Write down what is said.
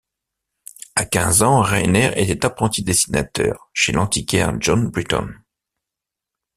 À quinze ans, Rayner était apprenti dessinateur chez l'antiquaire John Britton.